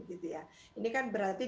ini kan berarti